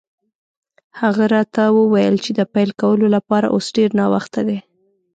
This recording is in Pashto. هغه راته وویل چې د پیل کولو لپاره اوس ډېر ناوخته دی.